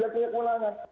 yang punya keulangan